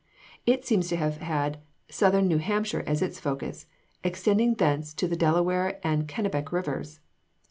It seems to have had Southern New Hampshire as its focus, extending thence to the Delaware and Kennebec rivers.